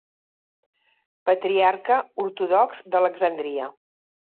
Patriarca Ortodox d'Alexandria.